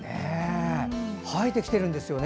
映えてきてるんですよね